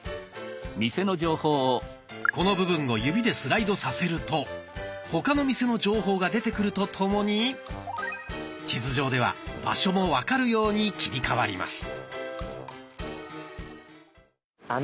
この部分を指でスライドさせると他の店の情報が出てくるとともに地図上では場所も分かるように切り替わります。